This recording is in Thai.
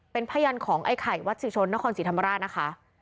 เป็นพยานของไอ้ไข่วัดศรีชนนครศรีธรรมราชนะคะ